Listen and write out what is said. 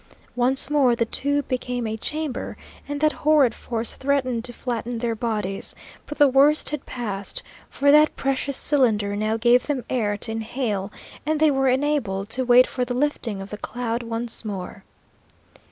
Once more the tube became a chamber, and that horrid force threatened to flatten their bodies; but the worst had passed, for that precious cylinder now gave them air to inhale, and they were enabled to wait for the lifting of the cloud once more.